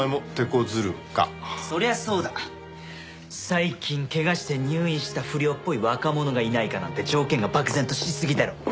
最近怪我して入院した不良っぽい若者がいないかなんて条件が漠然としすぎだろう